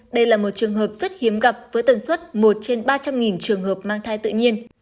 đây là một trường hợp rất hiếm gặp với tần suất một trên ba trăm linh trường hợp mang thai tự nhiên